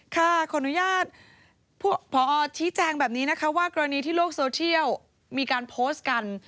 ขออนุญาตพอชี้แจงแบบนี้นะคะว่ากรณีที่โลกโซเชียลมีการโพสต์กัน